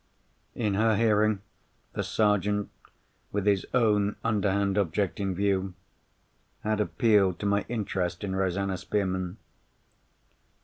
In her hearing, the Sergeant, with his own underhand object in view, had appealed to my interest in Rosanna Spearman.